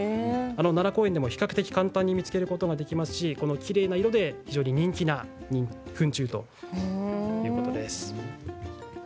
奈良公園でも比較的、簡単に見つけることができますしきれいな色で人気の糞虫ということです。